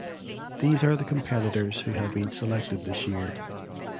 These are the competitors who have been selected this year.